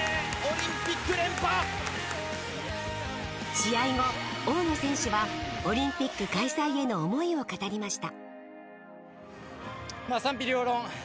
試合後、大野選手はオリンピック開催への思いを語りました。